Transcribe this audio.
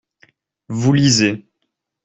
Vous lisez.